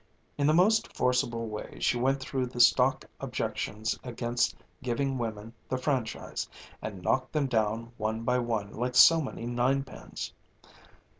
In the most forcible way she went through the stock objections against giving women the franchise, and knocked them down one by one like so many ninepins.